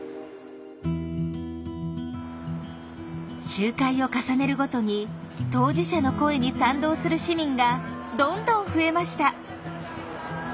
集会を重ねるごとに当事者の声に賛同する市民がどんどん増えました。